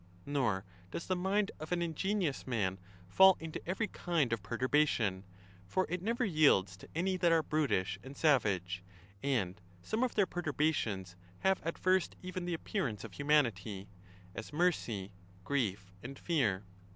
Nor does the mind of an ingenious man fall into every kind of perturbation, for it never yields to any that are brutish and savage; and some of their per turbations have at first even the appearance of humanity, as mercy, grief, and fear.